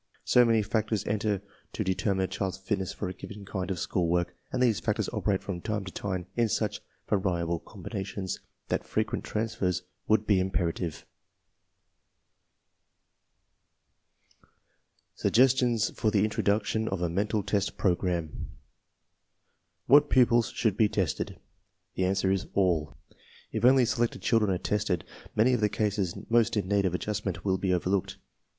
So many factors enter to determine a child's fitness for a given kind of school work, and these factors operate from time to time in such variable combinations, that frequent transfers would be imperative. n 22 TESTS AND SCHOOL REORGANIZATION SUGGESTIONS FOR THE INTRODUCTION OF A MENTAL TEST PROGRAM Wh at pu'pj lsi jhall be te sted? Theangwgr J a i all . If only selected children are tested, many of the cases most in need of adjustment will be overlooked.